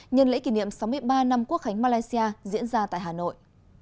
nhân lễ kỷ niệm sáu mươi ba năm quốc khánh malaysia diễn ra tại hà nội